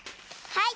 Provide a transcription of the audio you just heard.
はい！